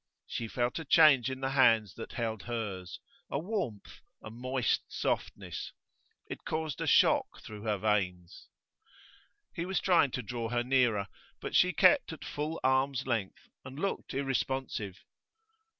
She felt a change in the hands that held hers a warmth, a moist softness; it caused a shock through her veins. He was trying to draw her nearer, but she kept at full arm's length and looked irresponsive.